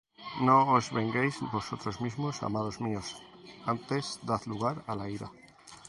No os venguéis vosotros mismos, amados míos; antes dad lugar á la ira;